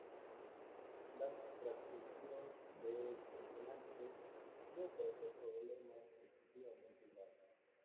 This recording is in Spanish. La transcripción de consonantes no ofrece problemas excesivamente graves.